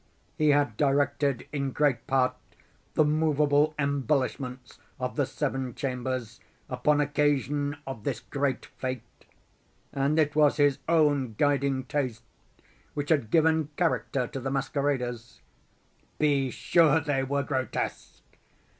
He had directed, in great part, the moveable embellishments of the seven chambers, upon occasion of this great fête; and it was his own guiding taste which had given character to the masqueraders. Be sure they were grotesque.